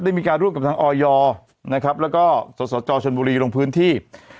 ได้มีการรูปกับทางออยอร์นะครับแล้วก็สตชนบุรีลงพื้นที่